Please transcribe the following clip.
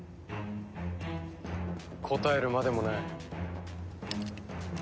答えるまでもない。